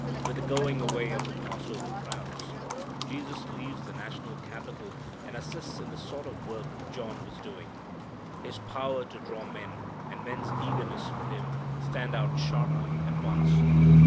With the going away of the Passover crowds, Jesus leaves the national capital, and assists in the sort of work John was doing. His power to draw men, and men's eagerness for Him, stand out sharply at once.